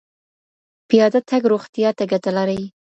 پیاده تګ روغتیا ته ګټه لري.